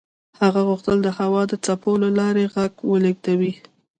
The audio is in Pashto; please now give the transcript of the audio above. هغه غوښتل د هوا د څپو له لارې غږ ولېږدوي.